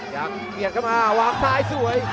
ยังเบียดเข้ามาวางซ้ายสวย